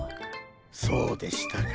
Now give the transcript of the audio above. そうでしたか。